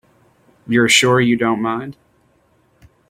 You're sure you don't mind?